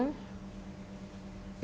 itu sebagian besar airnya dari air runoff river